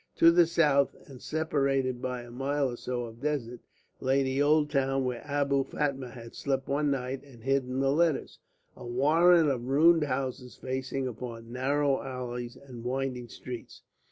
To the south, and separated by a mile or so of desert, lay the old town where Abou Fatma had slept one night and hidden the letters, a warren of ruined houses facing upon narrow alleys and winding streets.